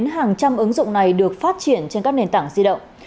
hàng trăm ứng dụng này được phát triển trên các nền tảng di động